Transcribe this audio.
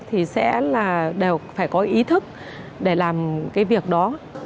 thì sẽ là đều phải có ý thức để làm cái việc đó